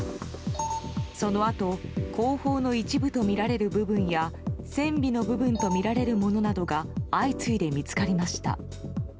そのあと後方の一部とみられる部分や船尾の部分とみられるものなどが相次いで見つかりました。